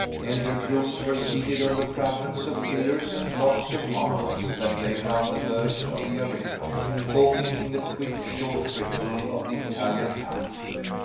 Elder groups were seated on the fragments of pillars and blocks of marble that lay round the verge of the arena, talking in the quick, short ripple of the Italian tongue.